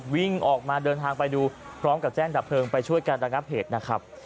วิ่งออกมาเดินทางไปดูพร้อมกับแจ้งดับเพลิงไปช่วยกันระงับเหตุนะครับ